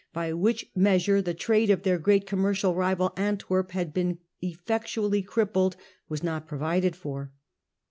8), by which measure the trade of their great commercial rival Antwerp had been effectually crippled, was not provided for.